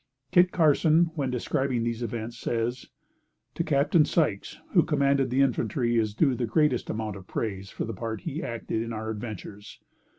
Kit Carson, when describing these events, says: "To Capt. Sykes, who commanded the infantry, is due the greatest amount of praise for the part he acted in our adventures.